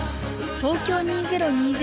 東京２０２０